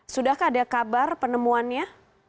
sudahkah ada kabar penemuannya